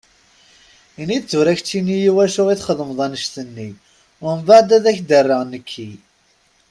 Ini-d tura kečči iwacu i txedmeḍ annect-nni, umbaɛed ad ak-d-rreɣ nekki.